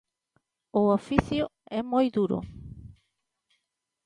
O oficio é moi duro.